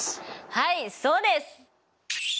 はいそうです！